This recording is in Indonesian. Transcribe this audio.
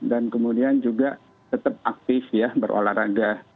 dan kemudian juga tetap aktif berolahraga